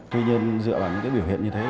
tuy nhiên dựa vào những cái biểu hiện như thế